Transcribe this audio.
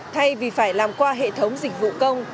thay vì phải làm qua hệ thống dịch vụ công